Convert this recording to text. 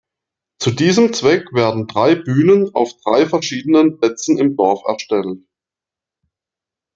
Zu diesem Zweck werden drei Bühnen auf drei verschiedenen Plätzen im Dorf erstellt.